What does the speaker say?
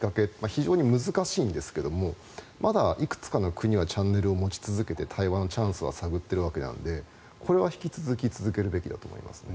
非常に難しいんですがまだいくつかの国はチャンネルを持ち続けて対話のチャンスは探っているのでこれは引き続き続けるべきだと思います。